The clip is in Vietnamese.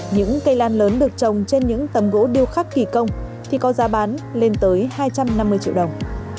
những cây lan lớn được trồng trên những tấm gỗ điêu khắc kỳ công thì có giá bán lên tới hai trăm năm mươi triệu đồng